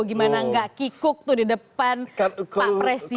gimana gak kikuk tuh di depan pak presiden